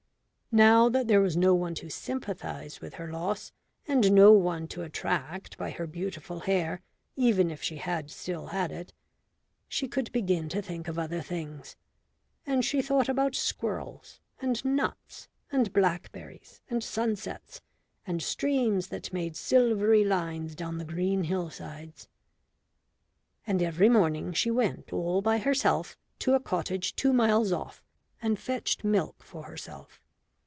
Now that there was no one to sympathise with her loss, and no one to attract by her beautiful hair even if she had still had it, she could begin to think of other things. And she thought about squirrels, and nuts, and blackberries, and sunsets, and streams that made silvery lines down the green hillsides. And every morning she went all by herself to a cottage two miles off and fetched milk for herself.